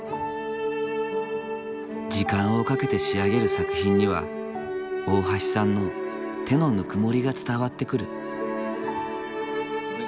時間をかけて仕上げる作品には大橋さんの手のぬくもりが伝わってくる。